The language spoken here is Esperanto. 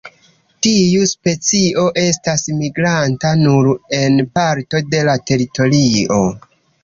Tiu specio estas migranta nur en parto de la teritorio.